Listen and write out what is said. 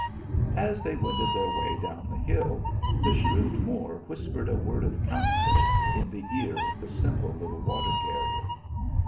As they wended their way down the hill, the shrewd Moor whispered a word of counsel in the sar of the simple little water carrier.